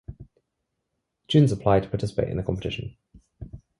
Students apply to participate in the competition.